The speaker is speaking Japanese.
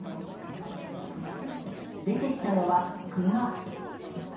出てきたのは熊。